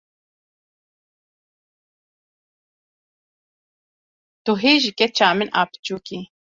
Tu hê jî keça min a biçûk î.